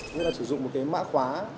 nghĩa là sử dụng một cái mã khóa